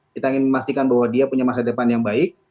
kita ingin memastikan bahwa dia punya masa depan yang baik